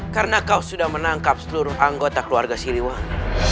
karena kau sudah menangkap seluruh anggota keluarga siliwang